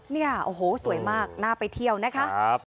เนี่ยโอ้โหสวยมากน่าไปเที่ยวนะคะ